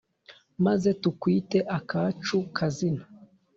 Maze tukwite akacu kazina